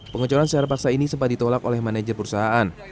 pengecoran secara paksa ini sempat ditolak oleh manajer perusahaan